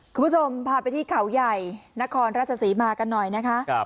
คุณผู้ชมพาไปที่เขาใหญ่นครราชศรีมากันหน่อยนะคะ